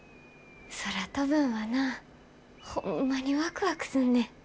空飛ぶんはなホンマにワクワクすんねん。